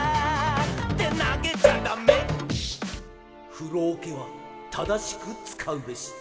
「ふろおけはただしくつかうべし」